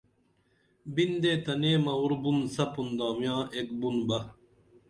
بِن دے تنے موُر بُن سپُن دامیاں ایک بُن بہ